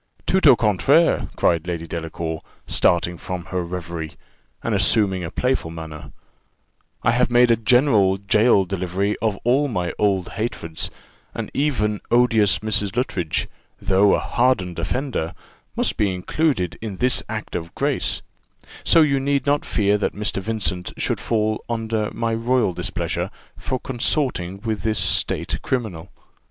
"Tout au contraire," cried Lady Delacour, starting from her reverie, and assuming a playful manner: "I have made a general gaol delivery of all my old hatreds; and even odious Mrs. Luttridge, though a hardened offender, must be included in this act of grace: so you need not fear that Mr. Vincent should fall under my royal displeasure for consorting with this state criminal.